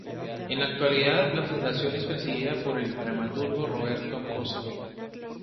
En la actualidad, la fundación es presidida por el dramaturgo Roberto Cossa.